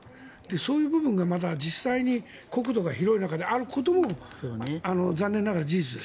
そういう部分がまだ実際に国土が広い中であることも残念ながら事実です。